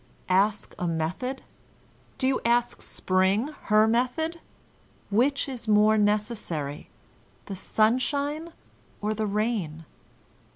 Ask a method? Do you ask Spring her method? Which b more necessary, the sunshine or the rain?